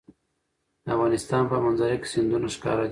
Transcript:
د افغانستان په منظره کې سیندونه ښکاره ده.